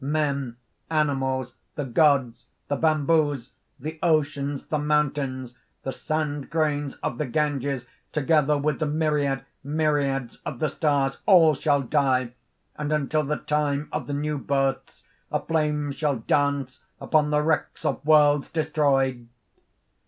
Men, animals, the gods, the bamboos, the oceans, the mountains, the sand grains of the Ganges, together with the myriad myriads of the stars, all shall die; and until the time of the new births, a flame shall dance upon the wrecks of worlds destroyed!"